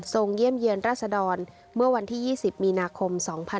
เยี่ยมเยี่ยมราชดรเมื่อวันที่๒๐มีนาคม๒๕๖๒